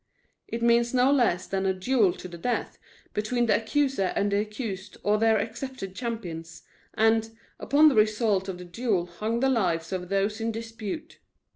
It meant no less than a "duel to the death" between the accuser and the accused or their accepted champions, and, upon the result of the duel hung the lives of those in dispute.